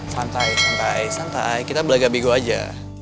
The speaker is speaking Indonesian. santai santai santai kita bela gabigo aja